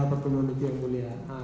ada pertemuan itu yang mulia